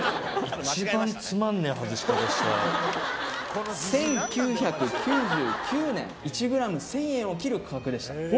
この１９９９年１ｇ１０００円を切る価格でした。